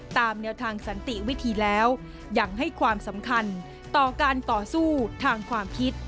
ตามแนวทางสันติวิธีแล้วยังให้ความสำคัญต่อการต่อสู้ทางความคิด